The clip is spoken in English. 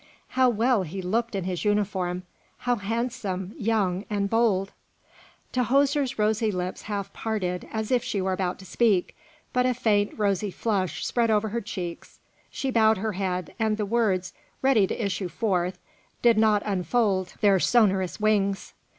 How well he looked in his uniform, how handsome, young, and bold!" Tahoser's rosy lips half parted, as if she were about to speak, but a faint, rosy flush spread over her cheeks, she bowed her head, and the words ready to issue forth did not unfold their sonorous wings.